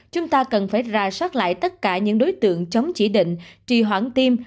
chúng ta cần phải ra soát lại tất cả những đối tượng chống chỉ định trì hoãn tiêm